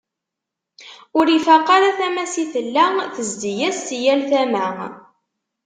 Ur ifaq ara tama-s i tella tezzi-as si yal tama.